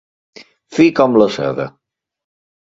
Fi com la seda.